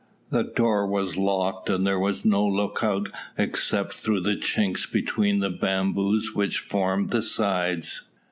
The door was locked, and there was no lookout except through the chinks between the bamboos which formed the sides.